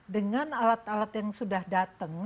dengan alat alat yang sudah datang